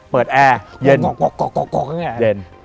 เปิดแอร์เย็น